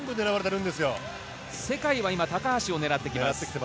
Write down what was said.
世界は今、高橋を狙ってきます。